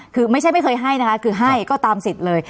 คือไม่ใช่ไม่เคยให้นะคะคือให้ก็ตามสิทธิ์เลย